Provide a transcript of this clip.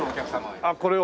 あっこれを？